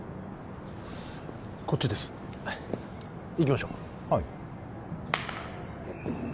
こっちです行きましょうはい